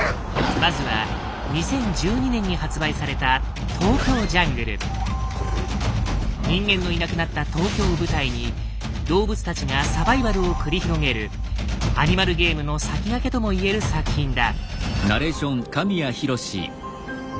まずは２０１２年に発売された人間のいなくなった東京を舞台に動物たちがサバイバルを繰り広げるアニマルゲームの先駆けとも言える作品だ。